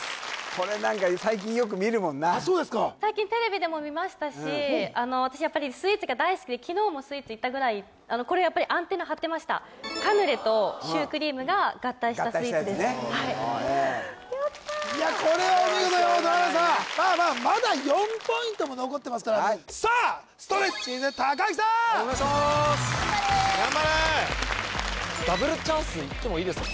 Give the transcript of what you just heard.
これ何か最近よく見るもんなそうですか最近テレビでも見ましたし私やっぱりスイーツが大好きで昨日もスイーツ行ったぐらいこれやっぱりカヌレとシュークリームが合体したスイーツですやったこれはお見事山本アナウンサーまあまあまだ４ポイントも残ってますからさあストレッチーズ高木さんお願いしまーす頑張れダブルチャンスいってもいいですか？